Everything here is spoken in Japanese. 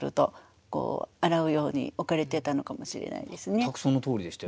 全くそのとおりでしたよ。